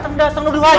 dateng dateng dulu aja